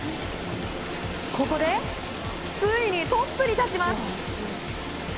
ここでついにトップに立ちます。